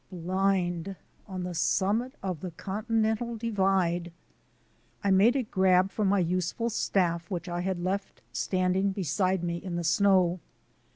Blind on the summit of the Continental Divide! I made a grab tor my useful staff which I had left standing beside me in the snow.